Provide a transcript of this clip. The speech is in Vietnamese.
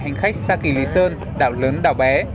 hành khách xa kỳ lý sơn đảo lớn đảo bé